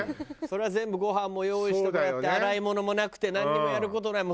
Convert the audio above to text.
それは全部ごはんも用意してもらって洗い物もなくてなんにもやる事ない。